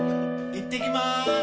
行ってきまーす！